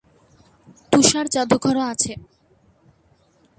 তুষার-জাদুঘরও আছে।